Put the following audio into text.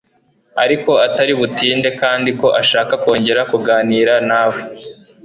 ariko atari butinde kandi ko ashaka kongera kuganira nawe